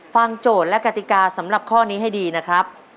โจทย์และกติกาสำหรับข้อนี้ให้ดีนะครับ